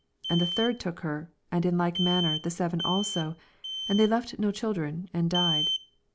81 And the third took her ; and id like manner the seven also : and they left no children, and died.